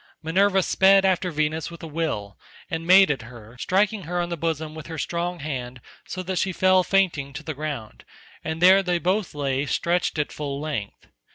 Minerva sped after Venus with a will, and made at her, striking her on the bosom with her strong hand so that she fell fainting to the ground, and there they both lay stretched at full length.